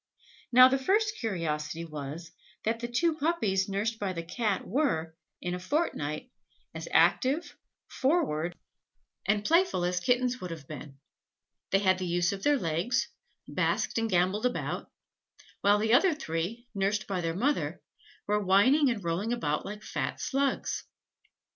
Now the first curiosity was, that the two puppies nursed by the Cat were, in a fortnight, as active, forward, and playful as kittens would have been; they had the use of their legs, basked and gambolled about; while the other three, nursed by the mother, were whining and rolling about like fat slugs.